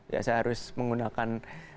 ya saya harus menggunakan